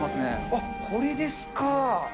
あっ、これですか。